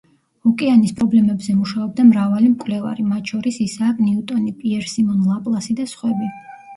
ოკეანის პრობლემებზე მუშაობდა მრავალი მკვლევარი, მათ შორის ისააკ ნიუტონი, პიერ სიმონ ლაპლასი და სხვები.